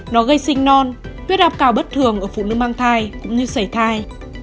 nó gây sinh non tuyết đạp cao bất thường ở phụ nữ mang thai cũng như sảy thai